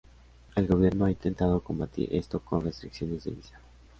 El gobierno ha intentado combatir esto con restricciones de visa.